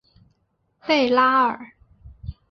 贝拉尔。